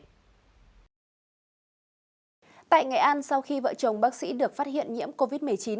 tại nghệ an sau khi vợ chồng bác sĩ được phát hiện nhiễm covid một mươi chín